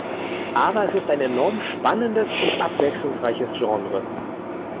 Aber es ist ein enorm spannendes und abwechslungsreiches Genre.